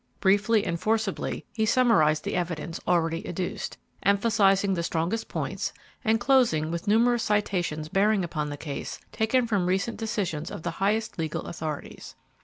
Briefly and forcibly he summarized the evidence already adduced, emphasizing the strongest points and closing with numerous citations bearing upon the case taken from recent decisions of the highest legal authorities.